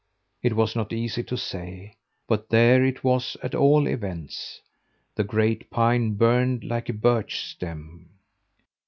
It was not easy to say, but there it was at all events. The great pine burned like a birch stem.